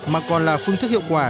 mà còn là phương thức hiệu quả